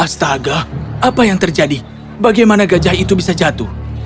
astaga apa yang terjadi bagaimana gajah itu bisa jatuh